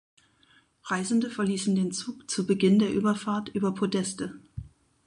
Reisende verließen den Zug zu Beginn der Überfahrt über Podeste.